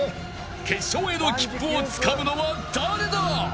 決勝への切符をつかむのは誰だ。